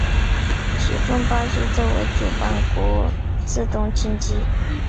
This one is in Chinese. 其中巴西作为主办国自动晋级。